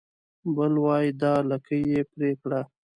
بل وای دا لکۍ يې پرې کړه